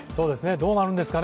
どうなるんですかね